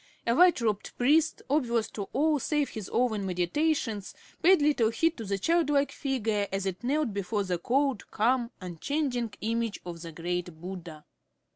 A white robed priest, oblivious to all save his own meditations, paid little heed to the childlike figure as it knelt before the cold, calm, unchanging image of the great Buddha.